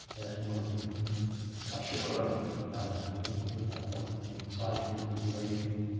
asked one of the men. "Why, sure," replied Neale. He could not help being excited and elated.